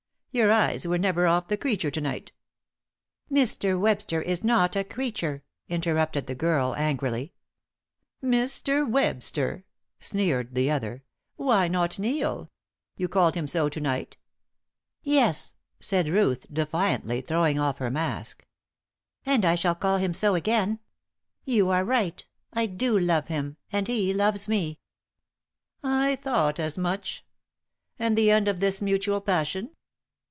Your eyes were never off the creature to night." "Mr. Webster is not a creature," interrupted the girl, angrily. "Mr. Webster!" sneered the other. "Why not Neil? You called him so to night." "Yes," said Ruth, defiantly, throwing off her mask. "And I shall call him so again. You are right; I do love him. And he loves me." "I thought as much. And the end of this mutual passion?"